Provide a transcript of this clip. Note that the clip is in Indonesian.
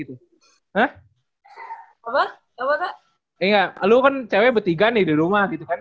lu kan cewek bertiga nih di rumah